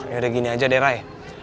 kalo ini udah gini aja deh rai